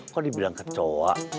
kok dibilang kecoa